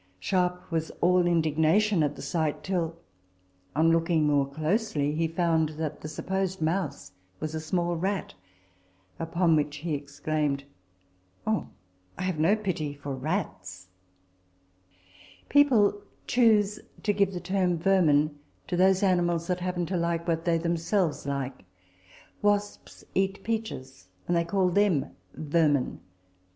Sharp was all indignation at the sight ; till, on looking more closely, he found that the supposed mouse was a small rat ; upon which he exclaimed, " Oh, I have no pity for rats !" A 2 RECOLLECTIONS OF THE People choose to give the term vermin to those animals that happen to like what they themselves like ; wasps eat peaches, and they call them vermin.